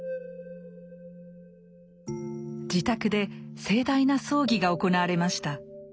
自宅で盛大な葬儀が行われました。